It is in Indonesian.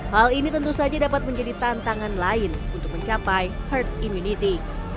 hal ini tentu saja dapat menjadi tantangan lain untuk mencapai herd immunity